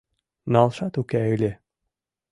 — Налшат уке ыле.